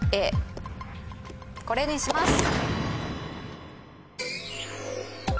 これにします！